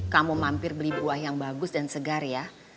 kamu mampir beli buah yang bagus dan segar ya